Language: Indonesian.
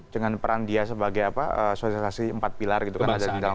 dengan peran dia sebagai apa sosialisasi empat pilar gitu kan